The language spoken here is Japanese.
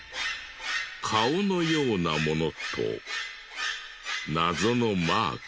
顔のようなものと謎のマーク。